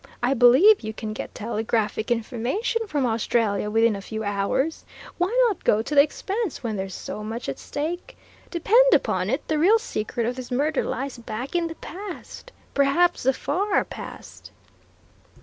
I believe you can get telegraphic information from Australia within a few hours. Why not go to the expense when there's so much at stake? Depend upon it, the real secret of this murder lies back in the past perhaps the far past."